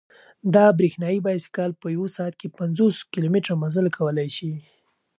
دا برېښنايي بایسکل په یوه ساعت کې پنځوس کیلومتره مزل کولای شي.